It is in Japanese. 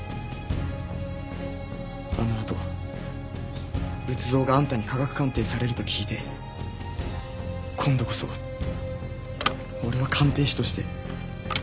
あのあと仏像があんたに科学鑑定されると聞いて今度こそ俺は鑑定士として終わると思った。